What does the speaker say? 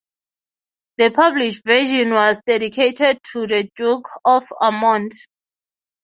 The published version was dedicated to the Duke of Ormonde.